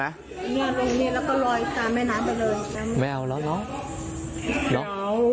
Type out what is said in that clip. เนี้ยไม่เอาแล้วเนอะ